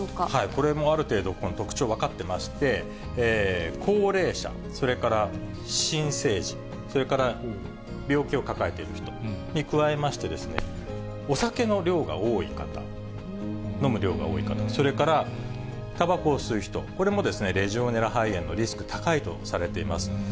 これもある程度、特徴、分かってまして、高齢者、それから新生児、それから病気を抱えている人に加えまして、お酒の量が多い方、飲む量が多い方、それからたばこを吸う人、これもレジオネラ肺炎のリスク高いとされています。